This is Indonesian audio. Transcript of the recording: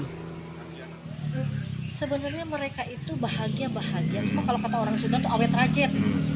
sebenarnya mereka itu bahagia bahagia